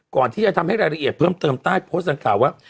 ก่อนที่จะทำให้รายละเอียดเพิ่มเติมใต้โพสต์ดังกล่าวว่า